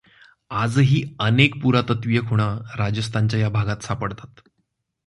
आजही अनेक पुरातत्त्वीय खुणा राजस्थानच्या या भागात सापडतात.